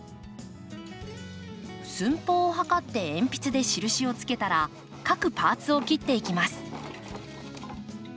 寸法を測って鉛筆で印をつけたら各パ―ツを切っていきます。